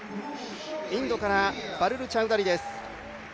インドからパルル・チャウダリです。